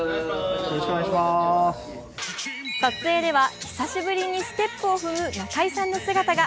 撮影では久しぶりにステップを踏む中居さんの姿が。